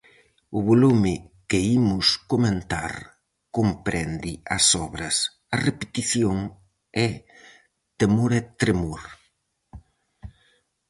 O volume que imos comentar comprende as obras A repetición e Temor e tremor.